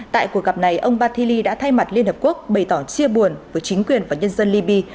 tại cuộc gặp này ông batili đã thay mặt liên hợp quốc bày tỏ chia buồn với chính quyền và nhân dân libya